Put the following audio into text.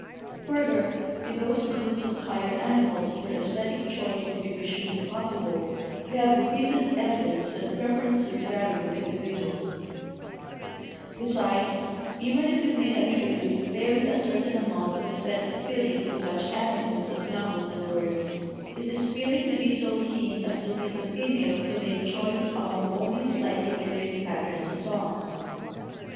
Further, in those groups of higher animals where esthetic choice may be presumed possible we have repeated evidence that prefer ences vary with individuals. Besides, even if we may at tribute fairly a certain amount of esthetic feeling to such B Fig. 30 — Secondary Sexual Characters. Callionymus eyra, male and female. (Darwin.) animals as mammals and birds, is this feeling to be so keen as to lead the female to make choice among only slightly differing patterns of songs?